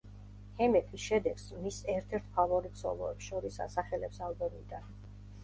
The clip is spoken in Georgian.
ჰემეტი შედეგს მის ერთ-ერთ ფავორიტ სოლოებს შორის ასახელებს ალბომიდან.